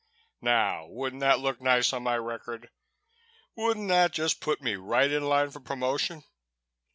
Now, wouldn't that look nice on my record? Wouldn't that just put me right in line for promotion?